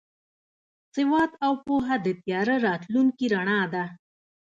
سواد او پوهه د تیاره راتلونکي رڼا ده.